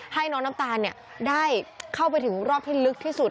ให้น้องน้ำตาลได้เข้าไปถึงรอบที่ลึกที่สุด